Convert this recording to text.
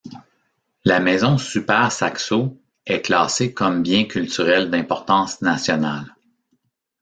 La maison Supersaxo est classée comme bien culturel d'importance nationale.